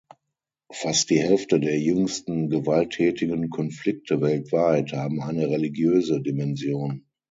Fast die Hälfte der jüngsten gewalttätigen Konflikte weltweit haben eine religiöse Dimension.